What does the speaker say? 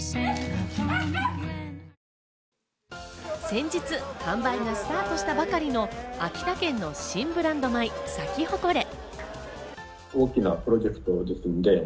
先日、販売がスタートしたばかりの秋田県の新ブランド米・サキホコレ。